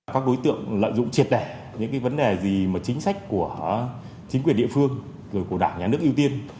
các đối tượng lợi dụng triệt đẻ những vấn đề gì chính sách của chính quyền địa phương của đảng nhà nước ưu tiên